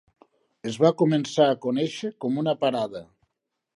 Es va començar a conèixer com una parada.